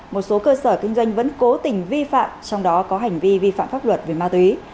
một số cơ sở kinh doanh vẫn cố tình vi phạm trong đó có hành vi vi phạm pháp luật về ma túy